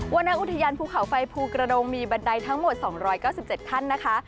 รณอุทยานภูเขาไฟภูกระดงมีบันไดทั้งหมด๒๙๗ขั้นนะคะ